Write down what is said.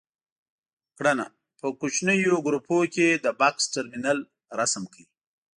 کړنه: په کوچنیو ګروپونو کې د بکس ترمینل رسم کړئ.